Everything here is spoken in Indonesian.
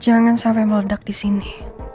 jangan sampai meledak di sini